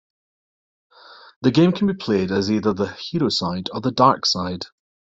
The game can be played as either the "Heroside" or the "Darkside".